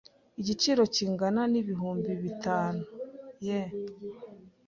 Igiciro kingana na ibihumbi bitanu yen.